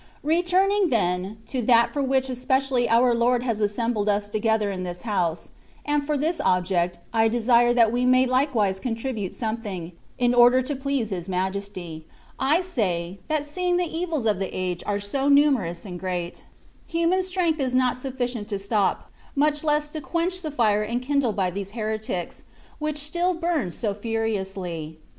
Returning, then, to that for which especially our Lord has assembled us together in this house (and for this object, I desire that we may likewise contribute something, in order to please His Majesty) ; I say, that seeing the evils of the age 10 THE WAY OF PERFECTION. are so numerous and great, human strength is not sufficient to stop, much less to quench the fire enkindled by these heretics, which still burns so furiously.